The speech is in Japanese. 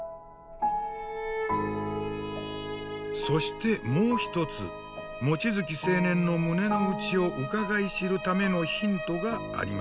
そしてもう一つ望月青年の胸の内をうかがい知るためのヒントがありました。